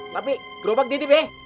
tapi gerobak ditip ya